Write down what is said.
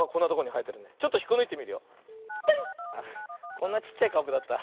こんなちっちゃいかぶだった。